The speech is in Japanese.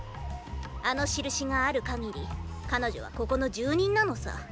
あの印があるかぎり彼女はここの住人なのさ。